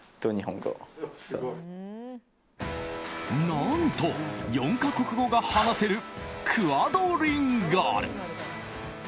何と、４か国語が話せるクアドリンガル。